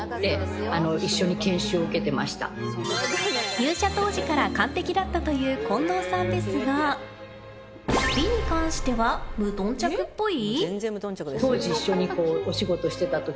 入社当時から完璧だったという近藤さんですが美に関しては無頓着っぽい？